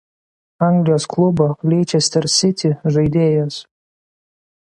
Anglijos klubo „Leicester City“ žaidėjas.